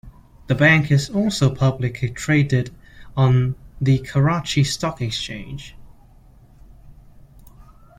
The Bank is also publicly traded on the Karachi Stock Exchange.